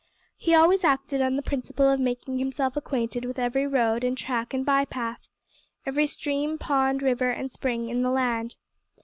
He always acted on the principle of making himself acquainted with every road and track and by path, every stream, pond, river, and spring in the land.